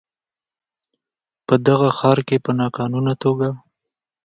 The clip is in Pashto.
په دغه ښار کې په ناقانونه توګه